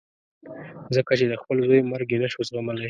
ځکه چې د خپل زوی مرګ یې نه شو زغملای.